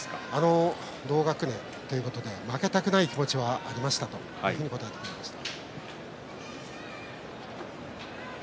同学年ということで負けたくない気持ちはありましたと答えていました。